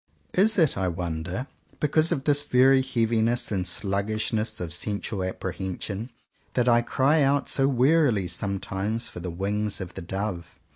Is it I wonder, because of this very heaviness and sluggishness of sensual ap prehension that I cry out so wearily some times for the "wings of the dove.?"